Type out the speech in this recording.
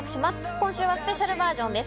今週はスペシャルバージョンです。